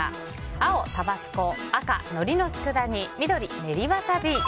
青、タバスコ赤、のりのつくだ煮緑、練りワサビ。